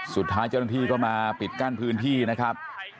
สุดท้ายเจ้าหน้าที่ก็มาปิดกั้นพื้นที่นะครับ